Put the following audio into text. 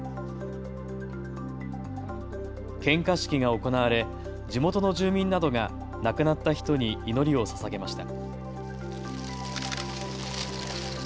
献花式が行われ地元の住民などが亡くなった人に祈りをささげました。